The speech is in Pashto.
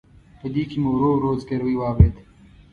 په دې کې مې ورو ورو زګیروي واورېد.